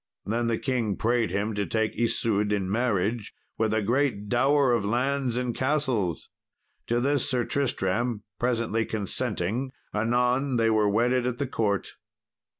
Then the king prayed him to take Isoude in marriage, with a great dower of lands and castles. To this Sir Tristram presently consenting anon they were wedded at the court.